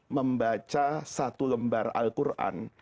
membaca satu lembar al quran